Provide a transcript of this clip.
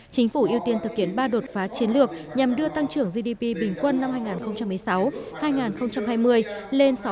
chính phủ ưu tiên thực hiện ba đột phá chiến lược nhằm đưa tăng trưởng gdp bình quân năm hai nghìn một mươi sáu hai nghìn hai mươi lên sáu mươi